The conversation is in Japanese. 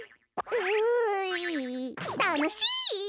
たのしイ。